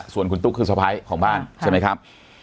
ส่วนคุณตุ๊กคือสะพ้ายของบ้านใช่ไหมครับ